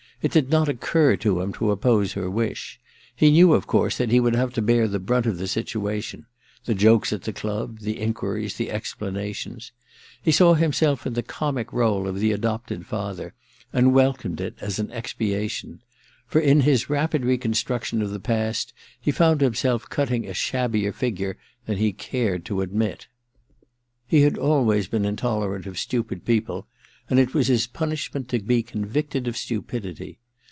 It did not occur to him to oppose her wisL He knew, of course, that he would have to bear the brunt of the situation : the jokes at the club, the enquiries, the explanations. He saw himself in the comic role of the adopted hihcr and welcomed it as an expiation. For in his rapid reconstruction of the past he found himself cutting a shabbier ^gure than he cared to admit. He had always / been intolerant of stupid people, and it was his \ punishment to be convicted of stupidity.